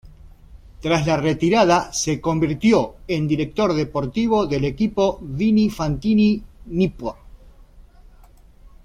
Tras la retirada se convirtió en director deportivo deL equipo Vini Fantini-Nippo.